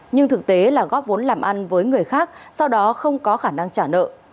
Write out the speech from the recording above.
nhưng thực tế là góp vốn làm ăn với người khác sau đó không có khả năng trả nợ